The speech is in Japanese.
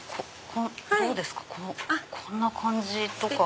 こんな感じとか。